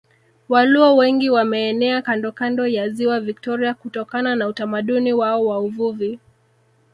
Waluo wengi wameenea kandokando ya Ziwa Viktoria kutokana na utamaduni wao wa uvuvi